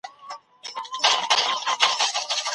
بورجیګین باور لري چې داخلي میکانیزمونه شته.